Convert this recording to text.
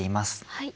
はい。